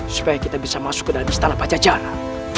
supaya kita bisa masuk ke dalam istana pajajara